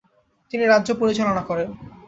তিনি রাজ্য পরিচালনা করেন।